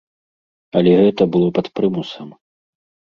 Але гэта было пад прымусам.